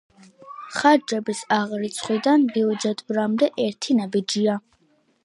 ხარჯების აღრიცხვიდან ბიუჯეტირებამდე ერთი ნაბიჯია.